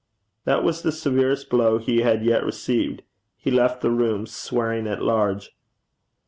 This was the severest blow he had yet received. He left the room, 'swearing at large.'